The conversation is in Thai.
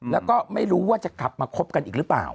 แล้วก็ไม่รู้ว่าจะกลับมาคบกันอีกหรือเปล่า